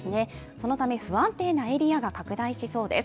そのため不安定なエリアが拡大しそうです。